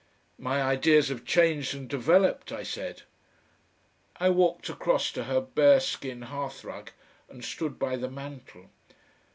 "My ideas have changed and developed," I said. I walked across to her bearskin hearthrug, and stood by the mantel.